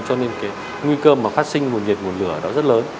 cơ mà phát sinh nguồn nhiệt nguồn lửa đó rất lớn